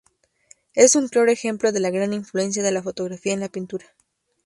Es un claro ejemplo de la gran influencia de la fotografía en la pintura.